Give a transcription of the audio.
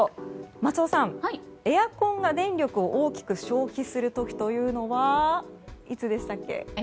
松尾さん、エアコンが電力を大きく消費する時はいつでしたっけ。